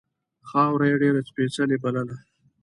خاوره یې ډېره سپېڅلې بلله.